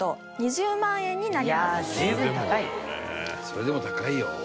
それでも高いよ。